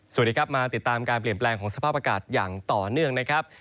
สวัสดีครับมาติดตามการเปลี่ยนแปลงของสภาพอากาศอย่างต่อเนื่องนะครับ